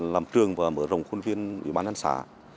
làm trường và mở rộng khuôn viên ủy ban nhân xã